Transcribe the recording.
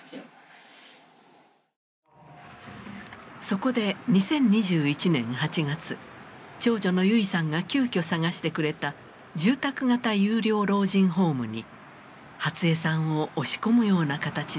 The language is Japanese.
そこで２０２１年８月長女の唯さんが急きょ探してくれた住宅型有料老人ホームに初江さんを押し込むような形で入居させることになったのです。